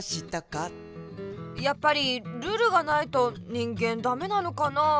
やっぱりルールがないと人間ダメなのかなあ？